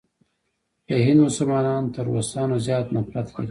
د هند مسلمانان تر روسانو زیات نفرت لري.